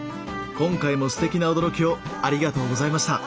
今回もすてきな驚きをありがとうございました。